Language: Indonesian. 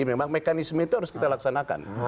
memang mekanisme itu harus kita laksanakan